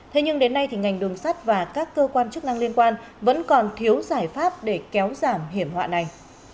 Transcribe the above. thế nhưng đến nay thì ngành đường sắt và các cơ quan chức năng liên quan vẫn còn thiếu giải pháp để kéo giảm hiểm họa này